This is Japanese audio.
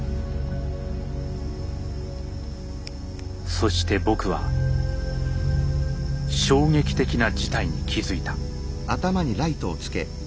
そして僕は衝撃的な事態に気づいた。